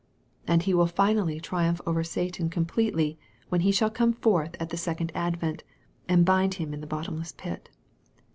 And He will finally triumph over Satan com pletely, when He shall come forth at the second advent, and bind him in the bottomless pit.